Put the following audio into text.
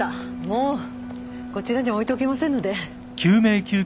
もうこちらには置いておけませんので。